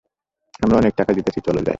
আমরা অনেক টাকা জিতেছি, চলো যাই।